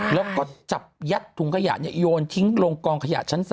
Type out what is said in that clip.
แล้วก็จับยัดถุงขยะโยนทิ้งลงกองขยะชั้น๓